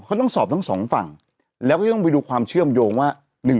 เขาต้องสอบทั้งสองฝั่งแล้วก็จะต้องไปดูความเชื่อมโยงว่า